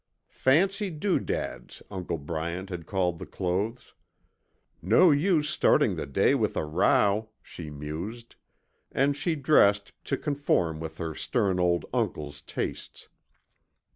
"Fancy doo dads" Uncle Bryant had called the clothes. "No use starting the day with a row," she mused, and she dressed to conform with her stern old uncle's tastes.